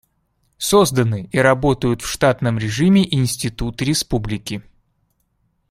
Созданы и работают в штатном режиме институты Республики.